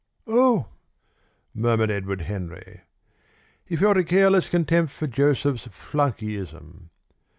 "Oh!" murmured Edward Henry. He felt a careless contempt for Joseph's flunkeyism.